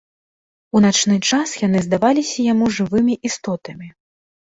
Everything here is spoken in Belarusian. У начны час яны здаваліся яму жывымі істотамі.